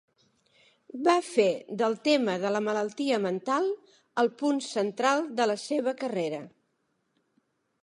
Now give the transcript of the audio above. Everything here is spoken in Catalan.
Va fer del tema de la malaltia mental el punt central de la seva carrera.